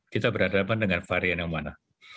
kita berhadapan dengan varian yang mana